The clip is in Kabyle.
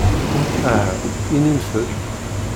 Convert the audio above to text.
Aha inimt-d!